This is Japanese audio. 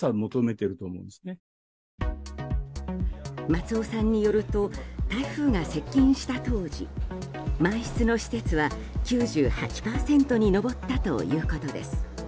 松尾さんによると台風が接近した当時満室の施設は９８％に上ったということです。